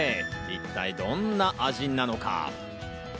一体どんな味なのか？